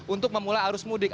untuk memulai arus mudik